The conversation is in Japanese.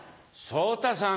昇太さん